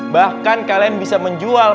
bahkan kalian bisa menjual